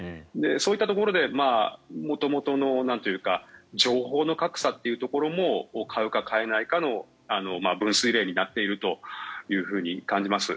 そういったところで元々の情報の格差というところも買うか買えないかの分水嶺になっていると感じます。